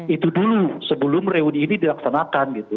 itu dulu sebelum reuni ini dilaksanakan gitu